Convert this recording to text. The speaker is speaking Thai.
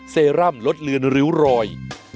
เซรั่มลดเลือนริ้วรอย